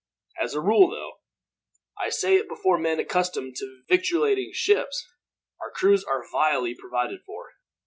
As a rule though I say it before men accustomed to victualing ships our crews are vilely provided for.